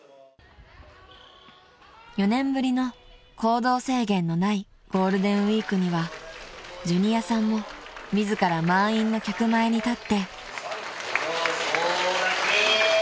［４年ぶりの行動制限のないゴールデンウイークにはジュニアさんも自ら満員の客前に立って］